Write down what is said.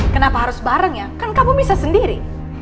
kenapa harus bareng ya kan kamu bisa sendiri